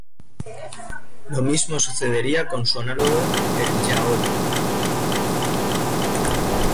Lo mismo sucedería con su análogo, el "yaoi".